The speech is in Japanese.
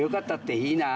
いいなあ。